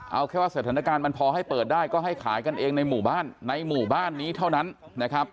เอาแค่ว่าสถานการณ์มันพอให้เปิดได้ก็ให้ขายกันเองในหมู่บ้านในหมู่บ้านนี้เท่านั้นนะครับ